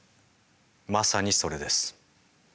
まさにそれです。